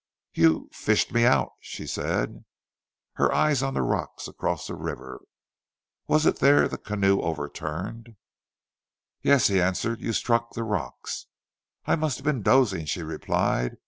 "You fished me out," she said, her eyes on the rocks across the river. "Was it there the canoe overturned?" "Yes," he answered, "you struck the rocks." "I must have been dozing," she replied.